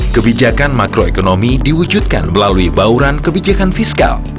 kebijakan makroekonomi diwujudkan melalui bauran kebijakan fiskal